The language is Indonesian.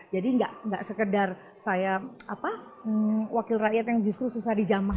jadi gak gak sekedar saya wakil rakyat yang justru susah dijamahin